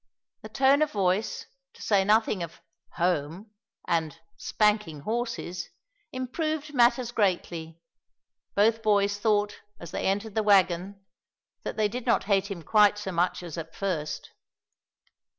The tone of voice, to say nothing of "home" and "spanking horses," improved matters greatly. Both boys thought, as they entered the wagon, that they did not hate him quite so much as at first.